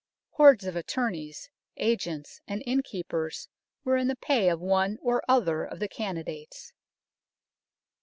Hordes of attorneys, agents, and innkeepers were in the pay of one or other of the candidates.